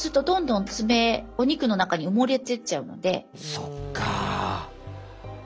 そっか。